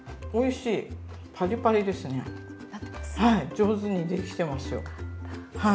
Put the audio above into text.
上手にできてますよ。よかった。